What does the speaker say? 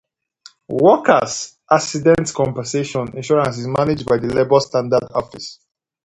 Workers' accident compensation insurance is managed by the Labor Standards Office.